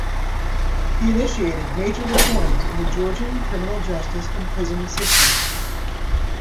He initiated major reforms in the Georgian criminal justice and prisons system.